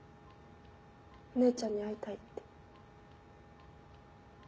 お姉ちゃんに会いたいって。